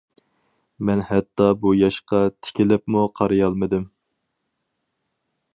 مەن ھەتتا بۇ ياشقا تىكىلىپمۇ قارىيالمىدىم.